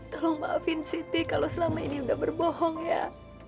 tolong maafin siti kalau selama ini udah berbohong ya